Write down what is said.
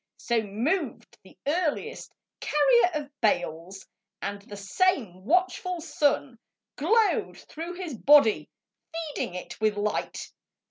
So moved the earliest carrier of bales, And the same watchful sun Glowed through his body feeding it with light.